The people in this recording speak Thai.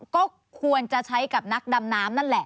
ก็ควรจะใช้กับนักดำน้ำนั่นแหละ